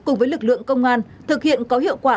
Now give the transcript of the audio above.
cùng với lực lượng công an thực hiện có hiệu quả